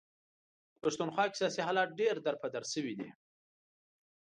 په پښتونخوا کې سیاسي حالات در بدر شوي دي.